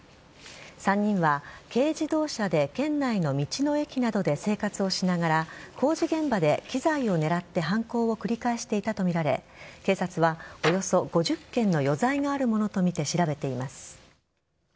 ３人は軽自動車で県内の道の駅などで生活をしながら工事現場で機材を狙って犯行を繰り返していたとみられ警察はおよそ５０件の余罪があるものとみて調べています。